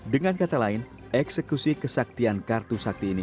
dengan kata lain eksekusi kesaktian kartu sakti ini